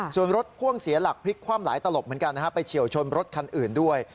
ส่วนรถพ่วงเสียหลักพลิกคว่ำหลายตลบเหมือนกันนะฮะไปเฉียวชนรถคันอื่นด้วย